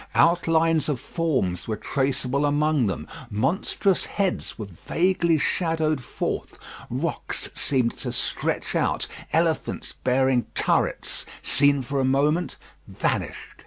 Outlines of forms were traceable among them; monstrous heads were vaguely shadowed forth; rocks seemed to stretch out; elephants bearing turrets, seen for a moment, vanished.